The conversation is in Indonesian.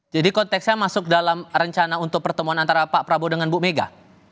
jadi konteksnya masuk dalam rencana untuk pertemuan antara pak prabowo dengan bu mega